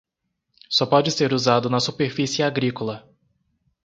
Só pode ser usado na superfície agrícola.